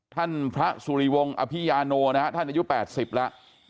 ท่านพระสุริวงศ์อภิยาโนนะฮะท่านอายุ๘๐แล้ว